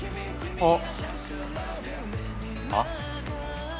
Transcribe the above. あっ！